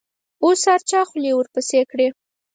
اوس هر چا خولې ورپسې کړي.